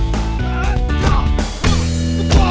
kau harus hafal penuh ya